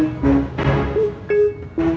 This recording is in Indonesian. nanti aku jalan